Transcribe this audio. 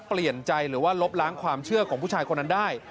เปลี่ยนใจหรือว่าลบล้างความเชื่อของผู้ชายคนนั้นได้